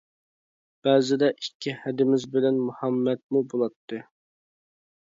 بەزىدە ئىككى ھەدىمىز بىلەن مۇھەممەدمۇ بۇلاتتى.